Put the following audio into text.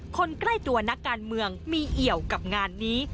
คนใกล้ตัวนักการเมืองมีเอี่ยวกับงานนี้